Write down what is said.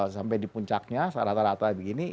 sampai di puncaknya rata rata begini